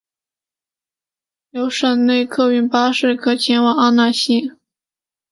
有省内客运巴士可前往阿讷西。